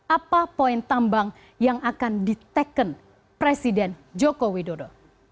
apa poin tambang yang akan diteken presiden joko widodo